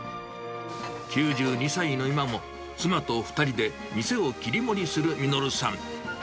９２歳の今も、妻と２人で店を切り盛りする實さん。